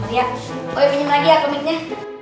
iya oe pinjem lagi ya komiknya